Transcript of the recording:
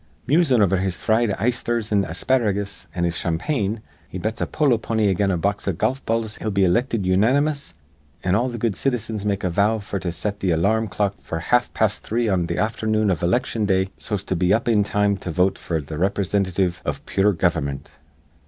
Musin' over his fried eyesthers an' asparagus an' his champagne, he bets a polo pony again a box of golf balls he'll be ilicted unanimous; an' all th' good citizens make a vow f'r to set th' alar rm clock f'r half past three on th' afthernoon iv iliction day, so's to be up in time to vote f'r th' riprisintitive iv pure gover'mint.